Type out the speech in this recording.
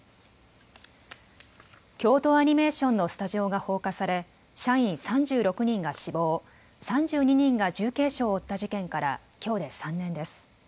京都アニメーションのスタジオが放火され社員３６人が死亡、３２人が重軽傷を負った事件からきょうで３年です。